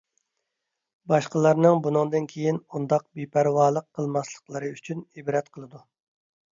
باشقىلارنىڭ بۇنىڭدىن كېيىن ئۇنداق بىپەرۋالىق قىلماسلىقلىرى ئۈچۈن ئىبرەت قىلىدۇ.